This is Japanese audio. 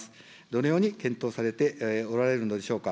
どのように検討されておられるのでしょうか。